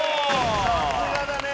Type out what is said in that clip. さすがだね。